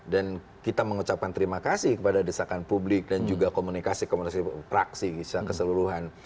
dan kita mengucapkan terima kasih kepada desakan publik dan juga komunikasi komunikasi praksi secara keseluruhan